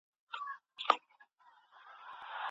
خپلو اسلامي او انساني ارزښتونو ته وفادار پاتې سئ.